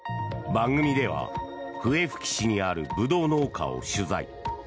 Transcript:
番組では笛吹市にあるブドウ農家を取材。